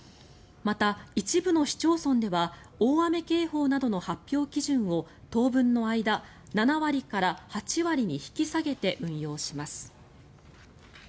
また、一部の市町村では大雨警報などの発表基準を当分の間、７割から８割に引き下げて運用します。